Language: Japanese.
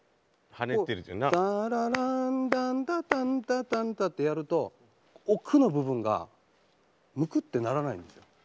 タラランタンタタンタタンタってやると奥の部分がむくってならないんですよ。